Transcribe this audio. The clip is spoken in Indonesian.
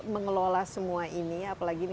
mengelola semua ini apalagi ini